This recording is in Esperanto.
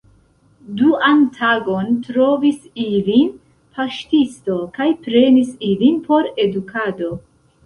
Duan tagon trovis ilin paŝtisto kaj prenis ilin por edukado.